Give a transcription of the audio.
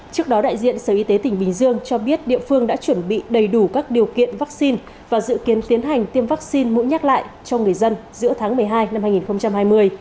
trước đó đại diện sở y tế tỉnh bình dương cho biết địa phương đã chuẩn bị đầy đủ các điều kiện vaccine và dự kiến tiến hành tiêm vaccine mũi nhát lại cho người dân giữa tháng một mươi hai năm hai nghìn hai mươi